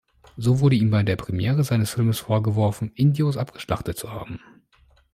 So wurde ihm bei der Premiere seines Filmes vorgeworfen, Indios abgeschlachtet zu haben.